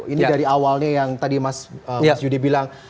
ini dari awalnya yang tadi mas yudi bilang